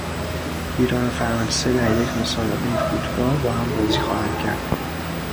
ایران و فرانسه در یک مسابقهی فوتبال با هم بازی خواهند کرد.